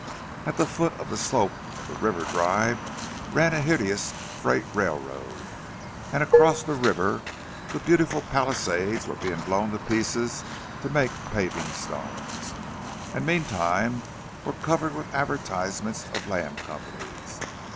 At the foot of the slope of the River Drive ran a hideous freight railroad; and across the river the beautiful Palisades were being blown to pieces to make paving stone—and meantime were covered with advertisements of land companies.